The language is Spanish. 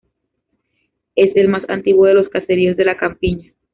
Es el más antiguo de los caseríos de la campiña.